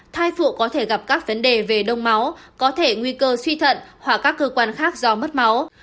thai phụ có thể gặp các vấn đề về đông máu có thể nguy cơ suy thận hoặc các cơ quan khác do mất máu